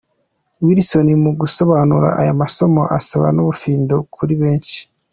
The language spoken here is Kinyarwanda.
Wilson mu gusobanura aya masomo asa n’ubufindo kuri benshi.